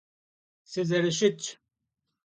Sızerışıtş.